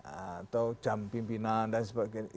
atau jam pimpinan dan sebagainya